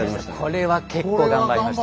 これは結構頑張りました。